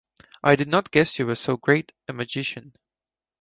I did not guess you were so great a magician.